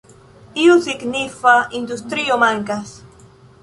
Iu signifa industrio mankas.